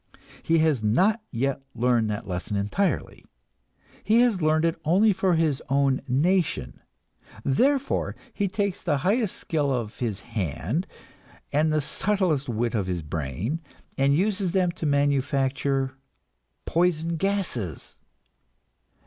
He has not yet learned that lesson entirely; he has learned it only for his own nation. Therefore he takes the highest skill of his hand and the subtlest wit of his brain, and uses them to manufacture poison gases.